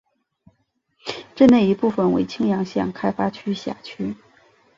镇内一部分为青阳县开发区辖区。